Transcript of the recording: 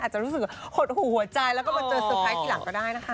จะรู้สึกหดหูหัวใจแล้วก็มาเจอเตอร์ไพรส์ทีหลังก็ได้นะคะ